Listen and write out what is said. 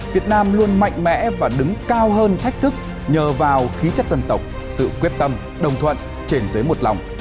việt nam luôn mạnh mẽ và đứng cao hơn thách thức nhờ vào khí chất dân tộc sự quyết tâm đồng thuận trên giới một lòng